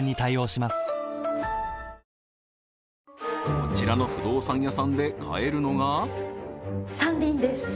こちらの不動産屋さんで買えるのが山林！？